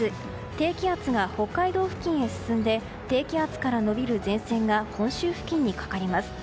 低気圧が北海道付近へ進んで低気圧から延びる前線が本州付近にかかります。